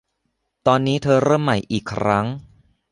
ตอนนี้เธอเริ่มใหม่อีกครั้ง